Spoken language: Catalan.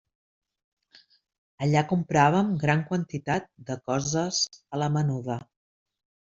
Allà compràvem gran quantitat de coses a la menuda.